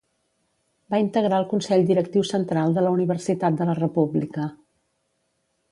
Va integrar el Consell Directiu Central de la Universitat de la República.